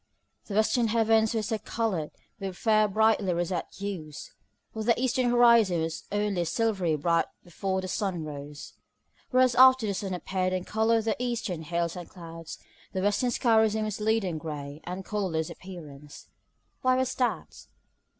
The western heavens were coloured with fairly bright roseate hues, while the eastern horizon was only silvery bright before the sun rose; whereas, after the sun appeared and coloured the eastern hills and clouds, the western sky resumed its leaden grey and colourless appearance. Why was that?